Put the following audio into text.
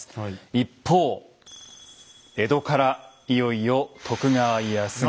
一方江戸からいよいよ徳川家康が。